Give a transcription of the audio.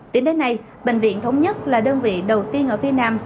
tính đến nay bệnh viện thống nhất là đơn vị đầu tiên ở phía nam